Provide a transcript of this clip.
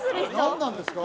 何なんですか？